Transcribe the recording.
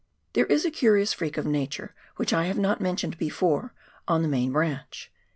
There is a curious freak of nature, which I have not men tioned before, on the main branch.